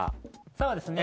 そうですね